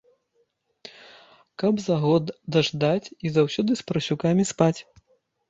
Каб за год даждаць і заўжды з парсюкамі спаць.